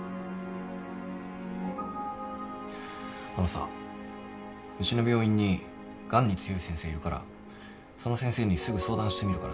あのさうちの病院にがんに強い先生いるからその先生にすぐ相談してみるからさ